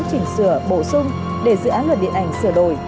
chỉnh sửa bổ sung để dự án luật điện ảnh sửa đổi